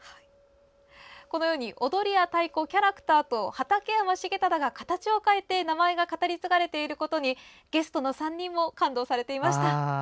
このように踊りや太鼓、キャラクターと畠山重忠が形を変えて名前が語り継がれていることにゲストの３人も感動されていました。